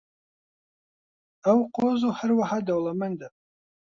ئەو قۆز و هەروەها دەوڵەمەندە.